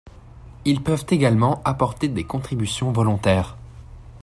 Il s peuvent également apporter des contributions volontaires.